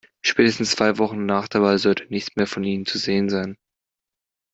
Spätestens zwei Wochen nach der Wahl sollte nichts mehr von ihnen zu sehen sein.